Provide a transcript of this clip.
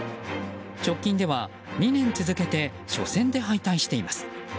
直近では２年続けて初戦で敗退しています。